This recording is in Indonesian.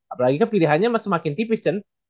apalagi kan pilihannya masih semakin tipis kan